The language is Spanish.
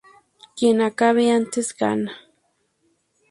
Quien acabe antes, gana.